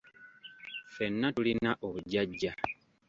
Ffenna tulina obujjajja.